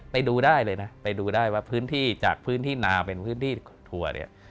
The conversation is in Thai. ไปดูได้เลยนะไปดูได้ว่าพื้นที่จากพื้นที่นาเป็นพื้นที่ถั่วเนี่ย